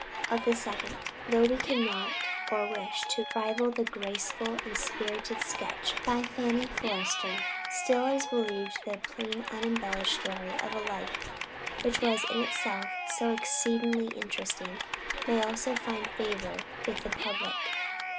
Of the second, though we cannot hope or wish to rival the graceful and spirited sketch by Fanny Forrester, still it is believed that a plain, unembellished story of a life which was in itself so exceedingly interesting, may also find favor with the public.